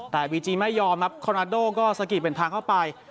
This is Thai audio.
แต่บีจีไม่ยอมครับคอนาโดก็สะกิดเป็นทางเข้าไป